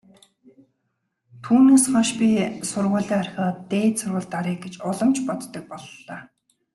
Түүнээс хойш би сургуулиа орхиод дээд сургуульд оръё гэж улам ч боддог боллоо.